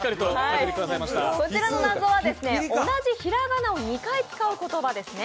こちらの謎は同じひらがなを２回使う言葉ですね。